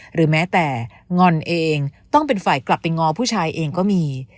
หรือแม้แต่งอนเองต้องเป็นฝ่ายกลับไปงอผู้ชายเองก็มี